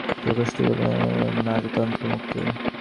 প্রকোষ্ঠগুলো নালীতন্ত্রে মুক্ত।